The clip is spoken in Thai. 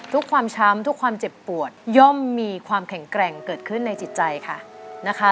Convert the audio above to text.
ความช้ำทุกความเจ็บปวดย่อมมีความแข็งแกร่งเกิดขึ้นในจิตใจค่ะนะคะ